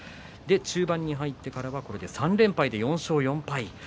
中盤に入ってからは３連敗で４勝４敗。